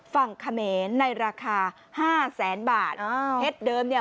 ฝั่งเขมรในราคา๕แสนบาทเพชรเดิมเนี่ย